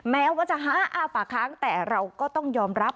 แม้ว่าจะฮ้าอ้าปากค้างแต่เราก็ต้องยอมรับ